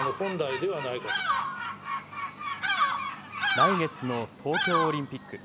来月の東京オリンピック。